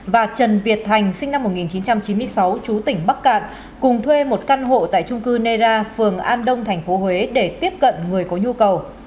và trần việt thành sinh năm một nghìn chín trăm chín mươi sáu chú tỉnh bắc cạn cùng thuê một căn hộ tại trung cư nera phường an đông tp huế để tiếp cận người có nhu cầu